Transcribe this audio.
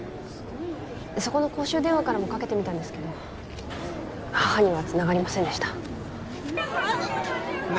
そこの公衆電話からもかけてみたんですけど母にはつながりませんでしたね